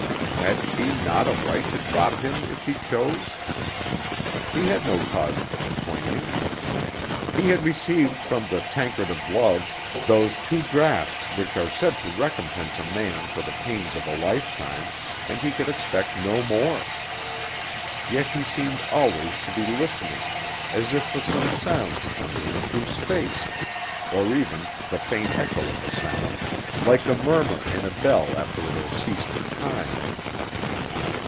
Had she not a right to drop him if she chose? He had no cause for complaining. He had received from the "tankard of love" those two drafts which are said to recompense a man for the pains of a lifetime, and he could expect no more. Yet he seemed always to be listening, as if for some sound to come to him through space, or even the faint echo of a sound, like the murmur in a bell after it has ceased to chime.